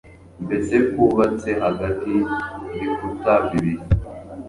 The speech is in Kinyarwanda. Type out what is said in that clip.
mbese kubatse hagati yibikuta bibiri